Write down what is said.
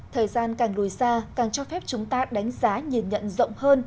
thời gian càng lùi xa càng cho phép chúng ta đánh giá nhìn nhận rộng hơn